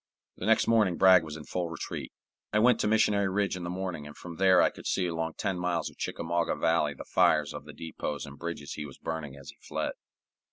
The next morning Bragg was in full retreat. I went to Missionary Ridge in the morning, and from there I could see along ten miles of Chickamauga Valley the fires of the depots and bridges he was burning as he fled.